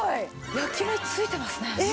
焼き目ついてますね。